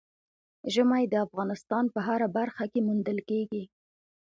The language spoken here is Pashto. ژمی د افغانستان په هره برخه کې موندل کېږي.